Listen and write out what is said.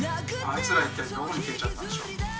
「あいつら一体どこに消えちゃったんでしょうか？」